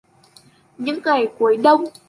Những ngày cuối Đông